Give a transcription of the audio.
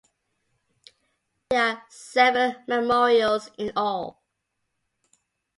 There are seven memorials in all.